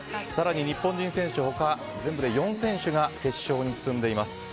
更に日本人選手、全部で４選手が決勝に進んでいます。